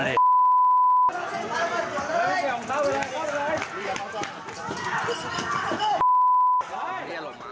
อบปาก